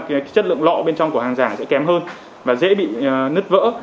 cái chất lượng lọ bên trong của hàng giả dễ kém hơn và dễ bị nứt vỡ